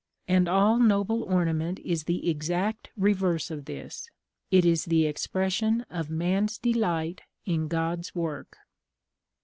And all noble ornament is the exact reverse of this. It is the expression of man's delight in God's work.